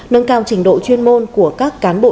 nâng cao trình độ chuyên môn của các cán bộ